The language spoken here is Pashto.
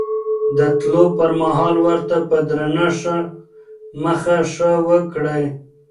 د تلو پر مهال ورته په درنښت مخه ښه وکړئ.